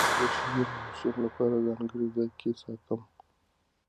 زه شیدې د ماشومانو لپاره ځانګړي ځای کې ساتم.